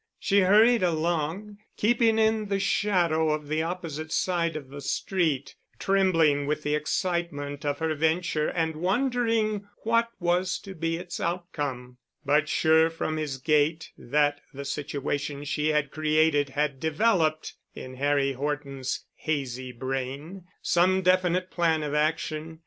She hurried along, keeping in the shadow of the opposite side of the street, trembling with the excitement of her venture and wondering what was to be its outcome, but sure from his gait that the situation she had created had developed in Harry Horton's hazy brain some definite plan of action.